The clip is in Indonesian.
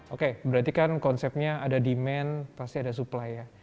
oke berarti kan konsepnya ada demand pasti ada supply ya